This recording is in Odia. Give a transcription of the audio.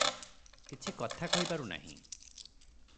କିଛି କଥା କହିପାରୁ ନାହିଁ ।